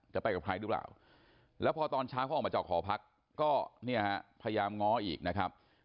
จะไปกับใครหรือเปล่าแล้วพอตอนเช้าเขาออกมาจากหอพักก็เนี่ยฮะพยายามง้ออีกนะครับ